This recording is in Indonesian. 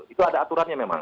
itu ada aturannya memang